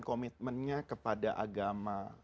komitmennya kepada agama